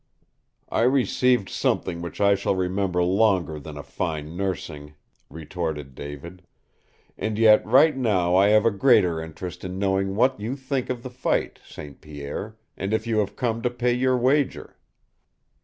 "I received something which I shall remember longer than a fine nursing," retorted David. "And yet right now I have a greater interest in knowing what you think of the fight, St. Pierre and if you have come to pay your wager."